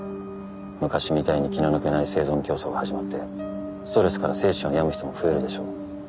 昔みたいに気の抜けない生存競争が始まってストレスから精神を病む人も増えるでしょう。